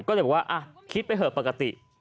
ก็เลยบอกว่าคิดไปเถอะปกติ